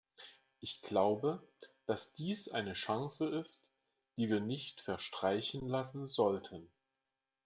Ich glaube, dass dies eine Chance ist, die wir nicht verstreichen lassen sollten.